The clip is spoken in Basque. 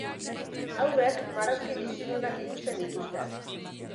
Haurrek marrazki bizidunak ikusten dituzte.